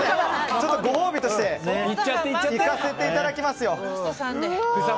ご褒美としていかせていただきますよ。